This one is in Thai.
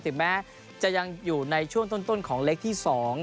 ถึงแม้จะยังอยู่ในช่วงต้นของเล็กที่๒